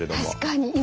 確かに。